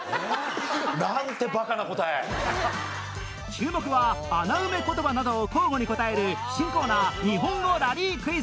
注目は穴埋め言葉などを交互に答える新コーナー日本語ラリークイズ